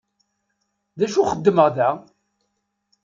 D acu xeddmeɣ da?